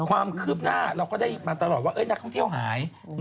ความคืบหน้าเราก็ได้มาตลอดว่านักท่องเที่ยวหาย